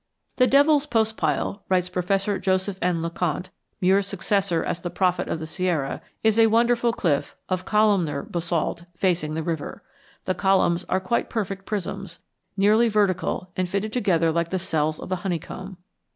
"The Devil's Postpile," writes Professor Joseph N. LeConte, Muir's successor as the prophet of the Sierra, "is a wonderful cliff of columnar basalt, facing the river. The columns are quite perfect prisms, nearly vertical and fitted together like the cells of a honeycomb.